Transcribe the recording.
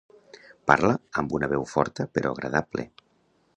Parla amb una veu forta però agradable.